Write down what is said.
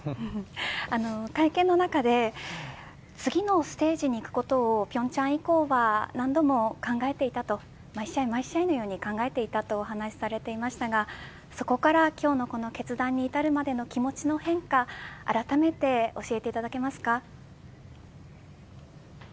会見の中で次のステージに行くことを平昌以降は何度も考えていたと毎試合、毎試合のように考えていたとお話しされていましたがそこから今日の決断に至るまでの気持ちの変化あらためて教えていただけますか。